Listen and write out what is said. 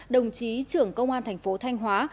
đồng chí trưởng công an thành phố thanh hóa